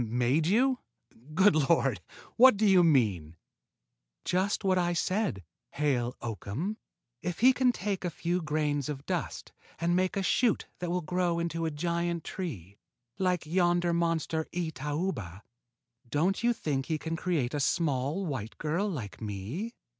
"Made you? Good Lord! What do you mean?" "Just what I said, Hale Oakham. If he can take a few grains of dust and make a shoot that will grow into a giant tree like yonder monster itauba, don't you think he can create a small white girl like me?"